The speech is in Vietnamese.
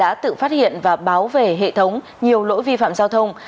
đã tự phát hiện và báo về hệ thống nhiều lỗi vi phạm giao thông